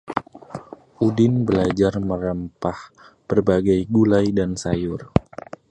Udin belajar merempah berbagai gulai dan sayur